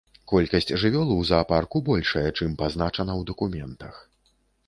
Колькасць жывёл у заапарку большая, чым пазначана ў дакументах.